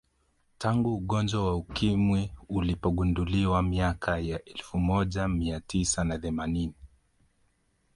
Tangu ugonjwa wa Ukimwi ulipogunduliwa miaka ya elfu moja mia tisa na themanini